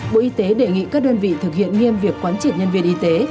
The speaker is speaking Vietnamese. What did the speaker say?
bộ y tế đề nghị các đơn vị thực hiện nghiêm việc quán triệt nhân viên y tế